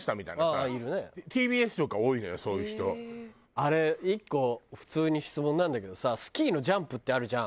あれ１個普通に質問なんだけどさスキーのジャンプってあるじゃん。